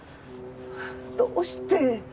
どうして？